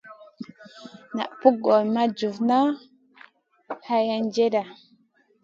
Naʼ pug gor ma jufma hay hendjena.